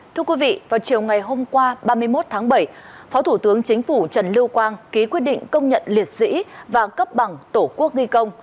thưa quý vị vào chiều ngày hôm qua ba mươi một tháng bảy phó thủ tướng chính phủ trần lưu quang ký quyết định công nhận liệt sĩ và cấp bằng tổ quốc ghi công